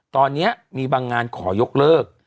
ตอนนี้มีบางงานขอยกเลิก